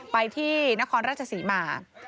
ไปที่นครราชศรีมา